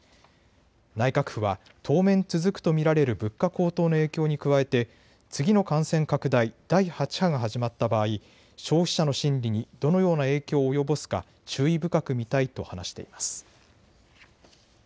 内閣府は当面続くと見られる物価高騰の影響に加えて次の感染拡大、第８波が始まった場合消費者の心理にどのような影響を及ぼすか注意深く見たいと話しています。